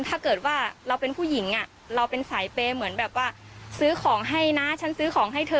ถ้าเกิดว่าเราเป็นผู้หญิงเราเป็นสายเปย์เหมือนแบบว่าซื้อของให้นะฉันซื้อของให้เธอ